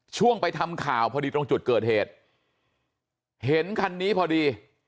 ช่วงไปทำข่าวพอดีตรงจุดเกิดเหตุเห็นคันนี้พอดี